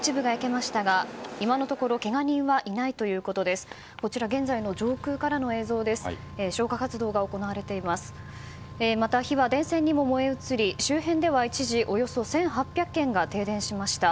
また、火は電線にも燃え移り周辺では一時およそ１８００軒が停電しました。